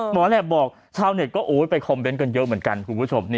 แหลปบอกชาวเน็ตก็ไปคอมเมนต์กันเยอะเหมือนกันคุณผู้ชม